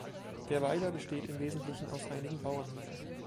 Der Weiler besteht im Wesentlichen aus einigen Bauernhöfen.